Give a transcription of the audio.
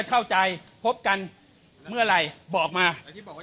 เราจะเริ่มมีไบที่สีข้าว